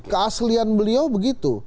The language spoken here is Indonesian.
keaslian beliau begitu